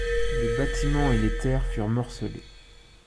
Les bâtiments et les terres furent morcelés.